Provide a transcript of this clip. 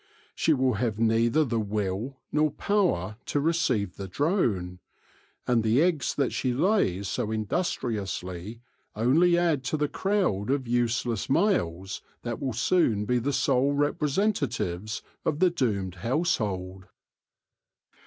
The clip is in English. She will have neither the will nor power to receive the drone ; and the eggs that she lays so industriously only add to the crowd of useless males that will soon be the sole representatives of the doomed household.